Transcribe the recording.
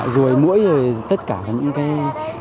rùi mũi rồi tất cả những cái